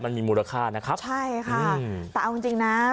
มันมีมูลค่านะครับใช่ค่ะแต่เอาจริงจริงนะ